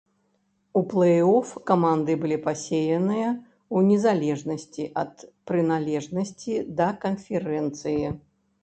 У плэй-оф каманды былі пасеяныя ў незалежнасці ад прыналежнасці да канферэнцыі.